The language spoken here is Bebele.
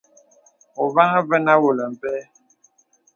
Ôvaŋha vənə àwōlə̀ mpə̀.